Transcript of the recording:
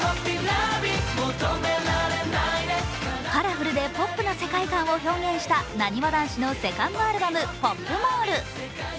カラフルでポップな世界観を表現したなにわ男子のセカンドアルバム「ＰＯＰＭＡＬＬ」。